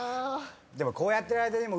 でもこうやってる間にも。